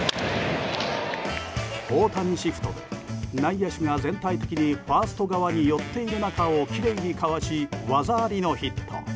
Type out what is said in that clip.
大谷シフトで内野手が全体的にファースト側に寄っている中をきれいにかわし技ありのヒット。